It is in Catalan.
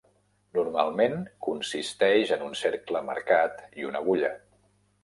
Normalment consisteix en un cercle marcat i una agulla.